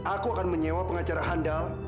aku akan menyewa pengacara handal